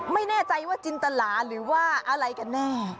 ไม่แน่ใจว่าจินตลาหรือว่าอะไรกันแน่